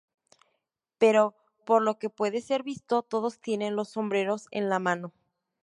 Pero por lo que puede ser visto, todos tienen los sombreros en la mano.